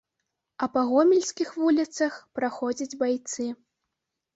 А па гомельскіх вуліцах праходзяць байцы.